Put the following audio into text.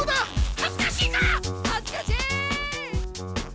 はずかしい！